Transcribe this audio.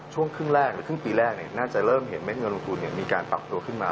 หรือครึ่งปีแรกน่าจะเริ่มเห็นเม้นเงินลงทุนมีการปรับตัวขึ้นมา